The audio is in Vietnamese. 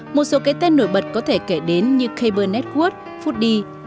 một số cái tên nổi bật có thể kể đến như cable network foodie